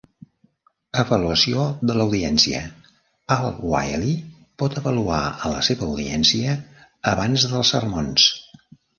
Avaluació de l'audiència: Al-Waeli pot avaluar a la seva audiència abans dels sermons.